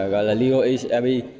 gọi là ligo eap